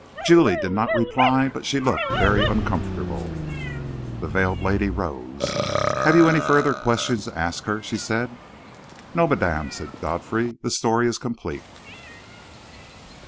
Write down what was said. Julie did not reply, but she looked very uncomfortable. The veiled lady rose. "Have you any further questions to ask her?" she said. "No, madame," said Godfrey. "The story is complete."